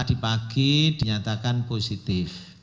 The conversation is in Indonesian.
pada pagi dinyatakan positif